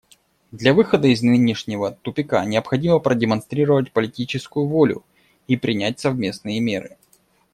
Для выхода из нынешнего тупика необходимо продемонстрировать политическую волю и принять совместные меры.